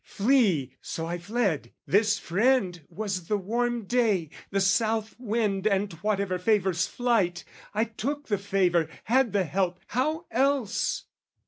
"'Flee!' So I fled: this friend was the warm day, "The south wind and whatever favours flight; "I took the favour, had the help, how else?